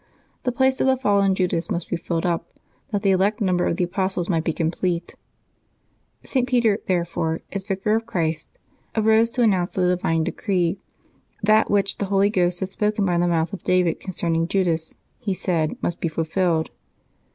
The place of the fallen Judas must be filled up, that the elect number of the apostles might be complete. St. Peter, therefore, as Vicar of Christ, arose to announce the divine decree. That which the Holy Ghost had spoken by the mouth of David concern ing Judas, he said, must be fulfilled.